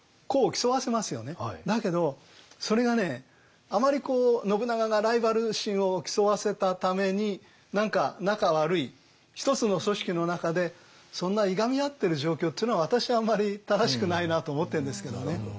だけどそれがねあまりこう信長がライバル心を競わせたために何か仲悪い一つの組織の中でそんないがみ合ってる状況っていうのは私はあんまり正しくないなと思ってるんですけどね。